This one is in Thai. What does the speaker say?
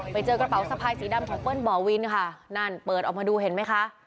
ไปเจอกระเป๋าสะพายสีดำของเปิ้ลบ่อวินค่ะนั่นเปิดออกมาดูเห็นไหมคะ